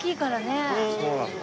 そうなんだね。